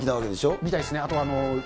みたいですね。